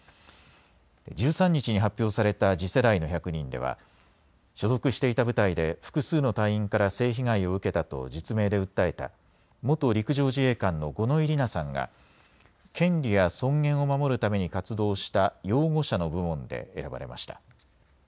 １３日に発表された次世代の１００人では所属していた部隊で複数の隊員から性被害を受けたと実名で訴えた元陸上自衛官の五ノ井里奈さんが権利や尊厳を守るために活動した擁護者の部門で選ばれました。